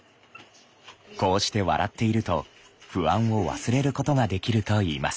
こうして笑っていると不安を忘れることができるといいます。